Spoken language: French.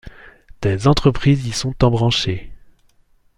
Des entreprises y sont embranchées.